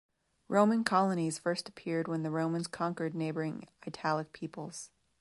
Roman colonies first appeared when the Romans conquered neighbouring Italic peoples.